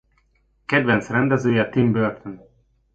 Kedvenc rendezője Tim Burton.